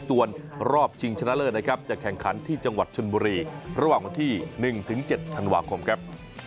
ส่วนรอบชิงชนะเลิศนะครับจะแข่งขันที่จังหวัดชนบุรีระหว่างวันที่๑๗ธันวาคมครับ